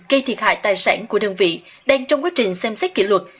gây thiệt hại tài sản của đơn vị đang trong quá trình xem xét kỷ luật